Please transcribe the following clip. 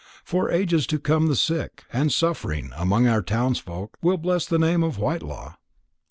For ages to come the sick and the suffering among our townsfolk will bless the name of Whitelaw.